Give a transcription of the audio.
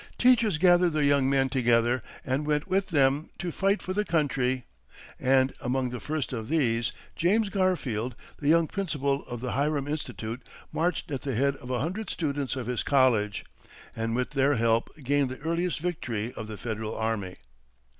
Teachers gathered their young men together, and went with them to fight for the country; and among the first of these, James Garfield, the young principal of the Hiram Institute, marched at the head of a hundred students of his college, and with their help gained the earliest victory of the Federal army.